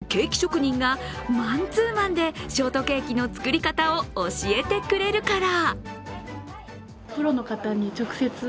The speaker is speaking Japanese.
なぜなら不二家のケーキ職人がマンツーマンでショートケーキの作り方を教えてくれるから。